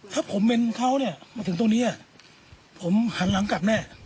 ถ้าผมเบนเขาถึงตรงนี้ผมหันหลังกลับแน่